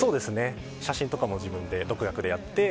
写真とかも自分で独学でやって。